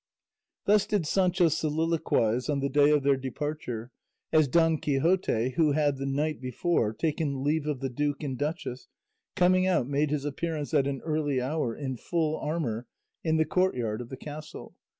'" Thus did Sancho soliloquise on the day of their departure, as Don Quixote, who had the night before taken leave of the duke and duchess, coming out made his appearance at an early hour in full armour in the courtyard of the castle.